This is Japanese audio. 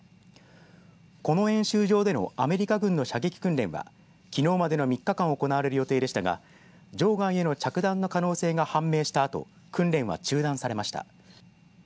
この演習場でのアメリカ軍の射撃訓練はきのうまでの３日間行われる予定でしたが、場外での着弾の可能性が判明したあと訓練は中断されました。